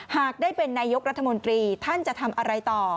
หากได้เป็นนายกรัฐมนตรีท่านจะทำอะไรต่อ